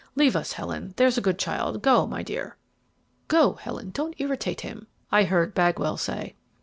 "Leave us, Helen; there's a good child; go, my dear." "Go, Helen; don't irritate him," I heard Bagwell say.